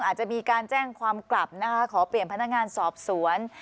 อาจจะมีการแจ้งความกลับนะคะขอเปลี่ยนพนักงานสอบสวน